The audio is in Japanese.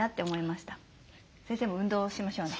先生も運動しましょうね。